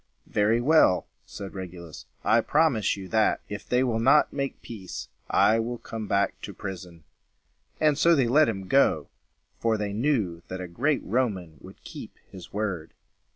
"Very well," said Regulus, "I promise you, that, if they will not make peace, I will come back to prison." And so they let him go; for they knew that a great Roman would keep his word.